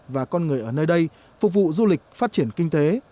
và con người ở nơi đây phục vụ du lịch phát triển kinh tế